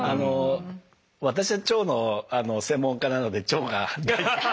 私は腸の専門家なので腸が。